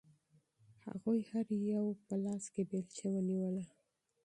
هغوی هر یو په لاس کې بیلچه ونیوله.